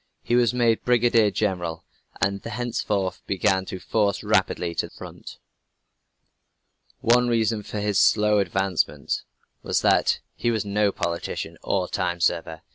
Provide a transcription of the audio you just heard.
He was made Brigadier General, and thenceforth began to forge rapidly to the front. One reason for his slow advancement was that he was no politician or time server.